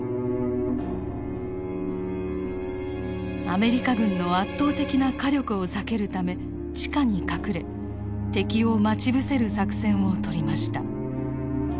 アメリカ軍の圧倒的な火力を避けるため地下に隠れ敵を待ち伏せる作戦をとりました。